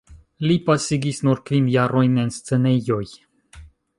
Li pasigis nur kvin jarojn en scenejoj.